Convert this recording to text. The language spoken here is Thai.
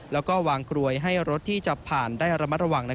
แล้วก็วางกลวยให้รถที่จะผ่านได้ระมัดระวัง